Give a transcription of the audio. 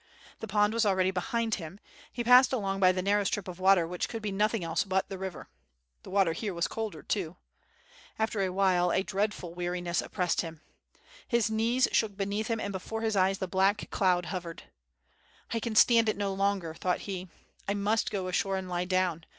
The pond was already behind him, he passed along by the narrow strip of water which could be nothing else but the river. The water here was colder too. After awhile a dreadful weariness oppressed him. His knees shook beneath him and before his eyes the black cloud hovered. "I can stand it no longer," thought he, "I must go ashore and lie down.